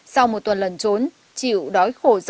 sau một tuần lần trốn chịu đói khổ gió